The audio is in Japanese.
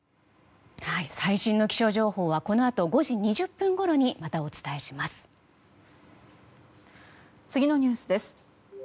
最新の気象情報はこのあと午後５時２０分ごろに次のニュースです。